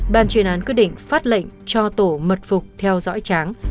ban chuyên án quyết định phát lệnh cho tổ mật phục theo dõi tráng